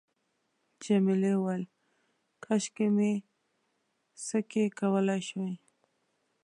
جميلې وويل:، کاشکې مې سکی کولای شوای.